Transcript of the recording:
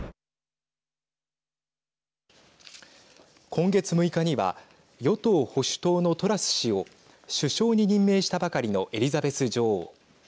今月６日には与党・保守党のトラス氏を首相に任命したばかりのエリザベス女王。